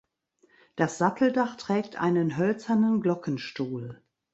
Das Satteldach trägt einen hölzernen Glockenstuhl.